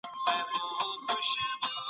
هغه په تفریح کولو مصروفه دی.